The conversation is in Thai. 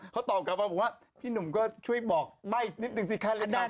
เขาตอบกลับมาว่าพี่หนุ่มก็ช่วยบอกได้นิดนึงสิครั้งละครับ